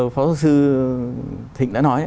phó giáo sư thịnh đã nói